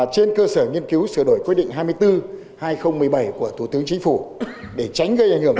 trên cơ sở nghiên cứu sửa đổi quy định hai mươi bốn hai nghìn một mươi bảy của thủ tướng chính phủ để tránh gây ảnh hưởng